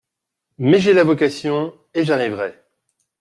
Mais j’ai la vocation, et j’arriverai !